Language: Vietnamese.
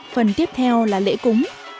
phần tiếp theo là lễ cúng